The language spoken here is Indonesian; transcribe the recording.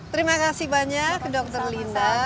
terima kasih banyak dokter linda